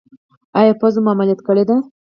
ایا پوزه مو عملیات کړې ده؟